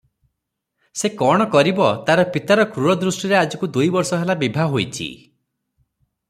ସେ କଣ କରିବ ତାର ପିତାର କ୍ରୁରଦୃଷ୍ଟିରେ ଆଜକୁ ଦୁଇବର୍ଷ ହେଲା ବିଭା ହୋଇଚି ।